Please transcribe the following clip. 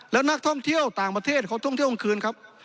แล้วนักท่องเที่ยวต่างประเทศเขาท่องเที่ยวกลางคืนครับ